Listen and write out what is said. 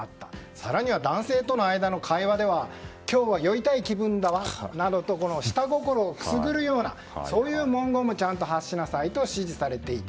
更には男性との間での会話では今日は酔いたい気分だわ、などと下心をくすぐるようなそういう文言もちゃんと発しなさいと指示されていた。